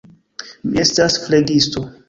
Mi estas flegisto.